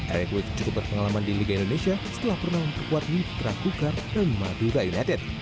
eric putwis cukup berpengalaman di liga indonesia setelah pernah memperkuat liga tukar dan madura united